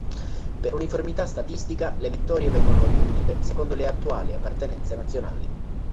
Per uniformità statistica, le vittorie vengono riunite secondo le "attuali" appartenenze nazionali.